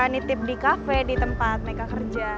nitip di kafe di tempat mereka kerja